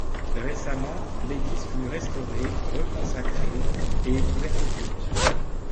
Récemment, l'église fut restaurée, reconsacrée et est ouverte au culte.